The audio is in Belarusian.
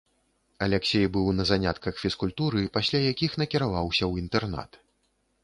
Аляксей быў на занятках фізкультуры, пасля якіх накіраваўся ў інтэрнат.